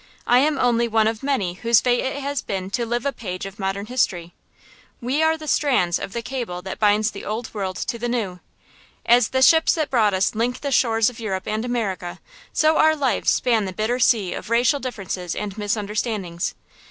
I am only one of many whose fate it has been to live a page of modern history. We are the strands of the cable that binds the Old World to the New. As the ships that brought us link the shores of Europe and America, so our lives span the bitter sea of racial differences and misunderstandings.